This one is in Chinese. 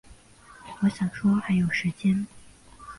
我想说还有时间